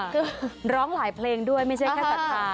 คือร้องหลายเพลงด้วยไม่ใช่แค่ศรัทธา